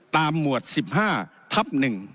ตามหมวด๑๕ทัพ๑